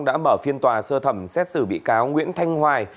đã mở phiên tòa sơ thẩm xét xử bị cáo nguyễn thanh hoài